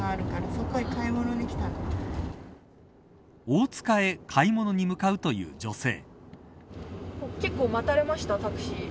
大塚へ買い物に向かうという女性。